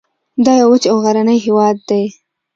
دا یو وچ او غرنی هیواد دی